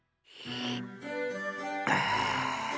ああ。